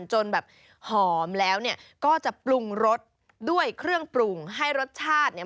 จนแบบหอมแล้วเนี่ยก็จะปรุงรสด้วยเครื่องปรุงให้รสชาติเนี่ย